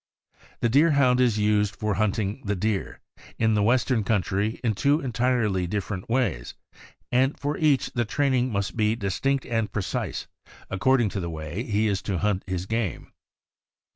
The Deerhound is used for hunting the deer, in the Western country, in two entirely diiferent ways, and for each the training must be distinct and precise, according to the way he is to hunt his game.